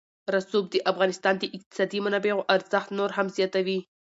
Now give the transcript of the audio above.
رسوب د افغانستان د اقتصادي منابعو ارزښت نور هم زیاتوي.